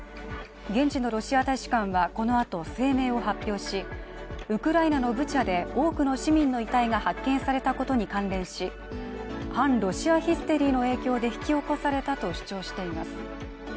現地のロシア大使館はこのあと声明を発表し、ウクライナのブチャで多くの市民の遺体が発見されたことに関連し、反ロシアヒステリーの影響で引き起こされたとしています。